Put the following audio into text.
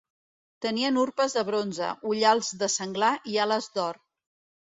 Tenien urpes de bronze, ullals de senglar i ales d'or.